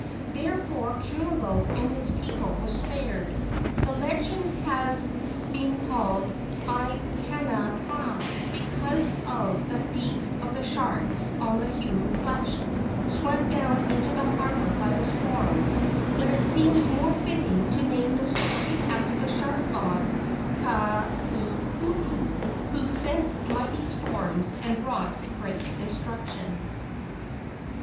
There¬ fore Kamalo and his people were spared. The legend has been called " Aikanaka " because of the feast of the sharks on the human flesh swept down into that harbor by the storm, but it seems more fitting to name the story after the shark god Kauhuhu, who sent mighty storms and wrought great destruction.